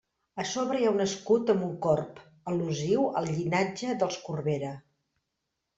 A sobre hi ha un escut amb un corb, al·lusiu al llinatge dels Corbera.